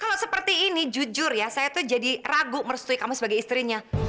kalau seperti ini jujur ya saya tuh jadi ragu merestui kamu sebagai istrinya